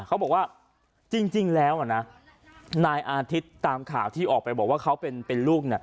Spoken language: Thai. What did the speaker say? เขาบอกว่าจริงแล้วอ่ะนะนายอาทิตย์ตามข่าวที่ออกไปบอกว่าเขาเป็นลูกเนี่ย